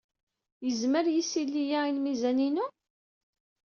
Yezmer yisili-a i lmizan-inu?